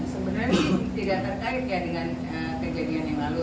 sebenarnya tidak terkait ya dengan kejadian yang lalu